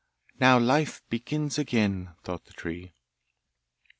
'Now life begins again!' thought the tree.